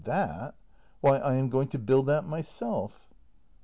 That! Why I am going to build that myself.